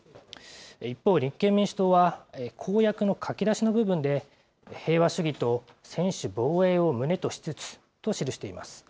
一方、立憲民主党は、公約の書き出しの部分で、平和主義と専守防衛を旨としつつと記しています。